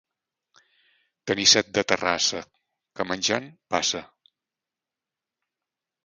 Tenir set de Terrassa, que, menjant, passa.